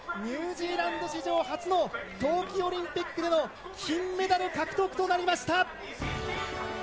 ニュージーランド史上初の冬季オリンピックでの金メダル獲得となりました。